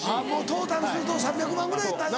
トータルすると３００万ぐらい。